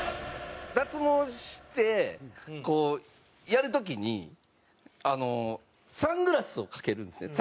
脱毛してこうやる時にサングラスをかけるんですね。